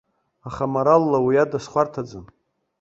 Аха моралла уи ада схәарҭаӡам!